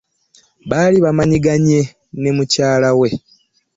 Baali bamanyiganye ne mukyalawe.